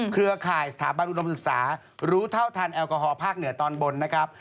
เครือข่ายสถาบันอุดมศึกษารู้เท่าทันแอลกอฮอลภาคเหนือตอนบนนะครับ